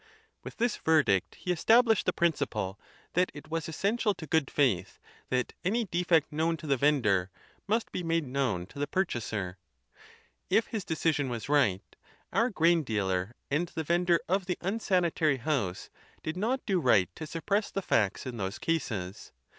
Withthis verdict he estabhshed the principle that Scope of Cato'o it was essential to good faith that any defect known ^*^*^^*"* to the vendor must be made known to the purchaser. If his decision was right, our grain dealer and the vendor of the unsanitary house did not do right to suppress the facts in those cases.